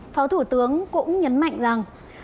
phó thủ tướng cũng nhấn mạnh rằng